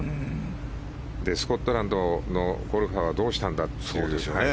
スコットランドのゴルファーはどうしたんだっていう。